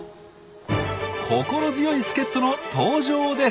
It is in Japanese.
心強い助っ人の登場です！